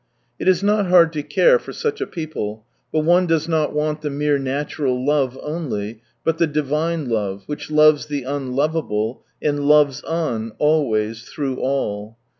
It is not hard to care for such a people, but one does not want the mere natural love only, Iml the Divine love, which loves the unlovable, and loves on, always, through all.